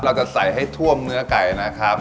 เราจะใส่ให้ท่วมเนื้อไก่นะครับ